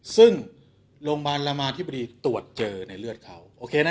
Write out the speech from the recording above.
ซึ่งโรงพยาบาลรามาธิบดีตรวจเจอในเลือดเขาโอเคนะ